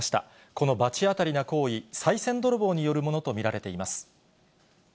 このばち当たりな行為、さい銭泥棒によるものと見られています。